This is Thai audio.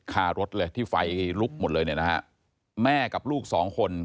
คารถเลยที่ไฟลุกหมดเลยเนี่ยนะฮะแม่กับลูกสองคน